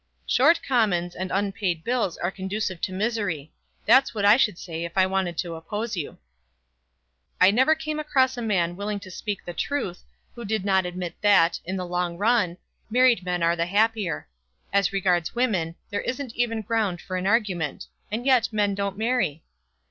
"Short commons and unpaid bills are conducive to misery. That's what I should say if I wanted to oppose you." "I never came across a man willing to speak the truth who did not admit that, in the long run, married men are the happier. As regards women, there isn't even ground for an argument. And yet men don't marry."